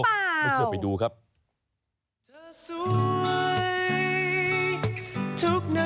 จริงหรือเปล่ามาเชิญไปดูครับจริงหรือเปล่า